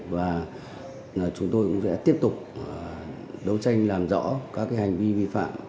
và chúng tôi cũng sẽ tiếp tục đấu tranh làm rõ các hành vi vi phạm